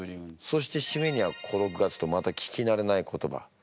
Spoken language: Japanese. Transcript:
そしてしめには「小六月」とまた聞きなれない言葉。